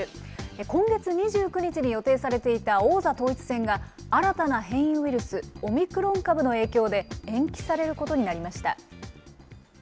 今月２９日に予定されていた王座統一戦が、新たな変異ウイルス、オミクロン株の影響で、延期されることになりました。